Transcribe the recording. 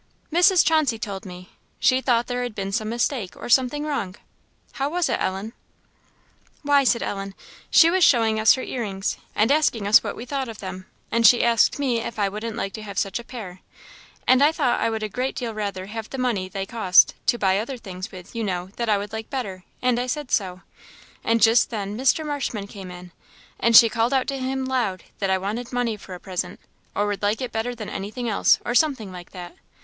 "Mrs. Chauncey told me; she thought there had been some mistake, or something wrong; how was it, Ellen?" "Why," said Ellen, "she was showing us her ear rings, and asking us what we thought of them, and she asked me if I wouldn't like to have such a pair; and I thought I would a great deal rather have the money they cost, to buy other things with, you know, that I would like better; and I said so; and just then Mr. Marshman came in, and she called out to him, loud, that I wanted money for a present, or would like it better than anything else, or something like that.